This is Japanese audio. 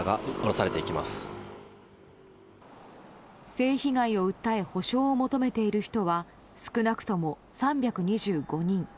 性被害を訴え補償を求めている人は少なくとも３２５人。